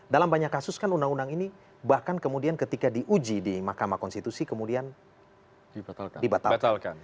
dalam banyak kasus kan undang undang ini bahkan kemudian ketika diuji di mahkamah konstitusi kemudian dibatalkan